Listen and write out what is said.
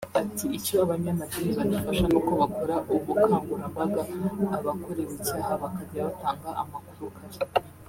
Ati “Icyo abanyamadini badufasha ni uko bakora ubukangurambaga abakorewe icyaha bakajya batanga amakuru kare